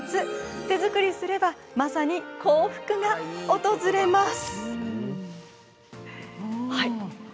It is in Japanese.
手作りすれば、まさに口福が訪れます。